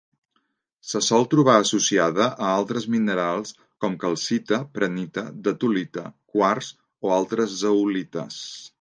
Se sol trobar associada a altres minerals com: calcita, prehnita, datolita, quars o altres zeolites.